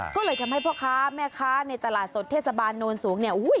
ก็เลยทำให้พ่อค้าแม่ค้าในตลาดสดเทศบาลโนนสูงเนี่ย